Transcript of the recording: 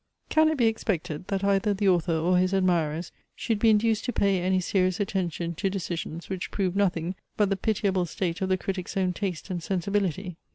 Can it be expected, that either the author or his admirers, should be induced to pay any serious attention to decisions which prove nothing but the pitiable state of the critic's own taste and sensibility?